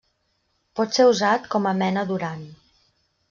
Pot ser usat com a mena d'urani.